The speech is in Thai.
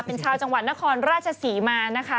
เป็นชาวจังหวัดนครราชศรีมานะคะ